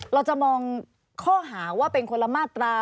เราจะมองข้อหาว่าเป็นคนละมาตรา